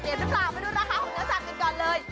ไปดูราคาหัวเนื้อสั่งกันก่อนเลย